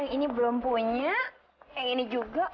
ini belum punya